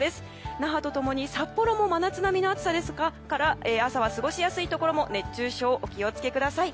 那覇と共に札幌も真夏並みの暑さですから朝は過ごしやすいところも熱中症にお気を付けください。